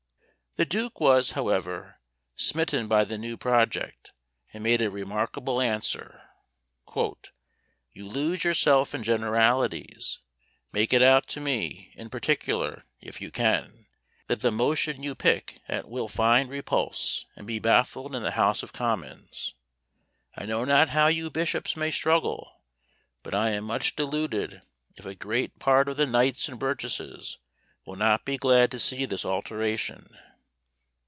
The duke was, however, smitten by the new project, and made a remarkable answer: "You lose yourself in generalities: make it out to me, in particular, if you can, that the motion you pick at will find repulse, and be baffled in the House of Commons. I know not how you bishops may struggle, but I am much deluded if a great part of the knights and burgesses would not be glad to see this alteration."